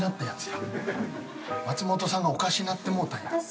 松本さんがおかしなってもうたやん。